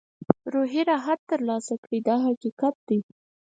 روحي راحت ترلاسه کړي دا حقیقت دی.